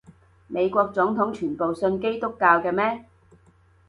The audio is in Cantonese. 美國總統全部信基督教嘅咩？